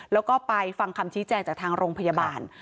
แล้วก็ไปฟังคำชี้แจงจากทางโรงพยาบาล